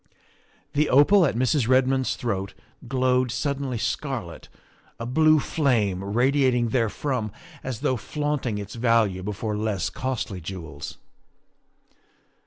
The opal at Mrs. Redmond's throat glowed suddenly scarlet, a blue flame radiating therefrom as though flaunting its value before less costly jewels.